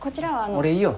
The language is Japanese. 俺いいよ。